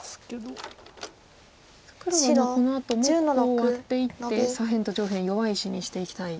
黒はこのあともここをワッていって左辺と上辺弱い石にしていきたい。